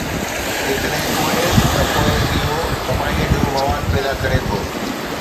جيڪڏهن آهي، ته پوءِ اهو تباهي جو مواد پيدا ڪري ٿو.